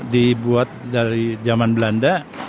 dibuat dari jaman belanda